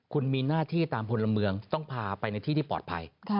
คุณมีหน้าที่ตามพลเมืองต้องพาไปในที่ที่ปลอดภัย